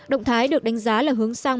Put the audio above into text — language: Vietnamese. động thái được đánh giá là hướng sang